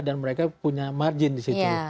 dan mereka punya margin disitu